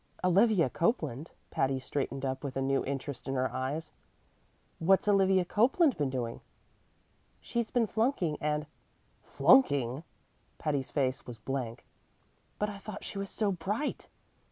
"Olivia Copeland?" Patty straightened up with a new interest in her eyes. "What's Olivia Copeland been doing?" "She's been flunking and " "Flunking!" Patty's face was blank. "But I thought she was so bright!"